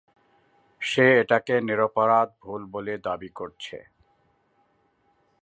সে এটাকে নিরপরাধ ভুল বলে দাবি করছে।